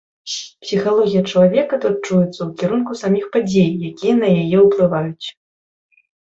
Псіхалогія чалавека тут чуецца ў кірунку саміх падзей, якія на яе ўплываюць.